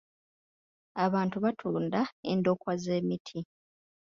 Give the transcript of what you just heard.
Abantu batunda endokwa z'emiti.